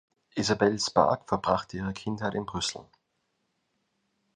Isabelle Spaak verbrachte ihre Kindheit in Brüssel.